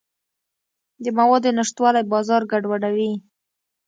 د موادو نشتوالی بازار ګډوډوي.